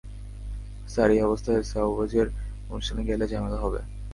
Sir, এই অবস্থায় সাওভ্যাজের অনুষ্ঠানে গেলে ঝামেলা হবে।